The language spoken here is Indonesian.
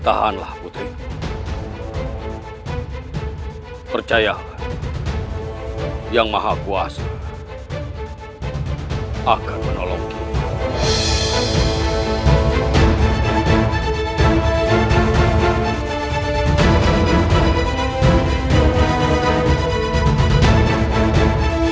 dan aku bisa menghancurkan istanamu siliwangi